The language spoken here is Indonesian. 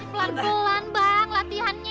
pelan pelan bang latihannya